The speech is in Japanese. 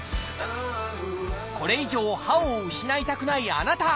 これ以上歯を失いたくないあなた！